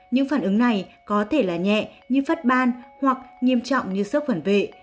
những phản ứng này có thể là nhẹ như phất ban hoặc nghiêm trọng như sức khuẩn vệ